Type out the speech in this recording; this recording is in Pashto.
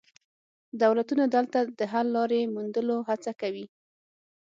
دولتونه دلته د حل لارې موندلو هڅه کوي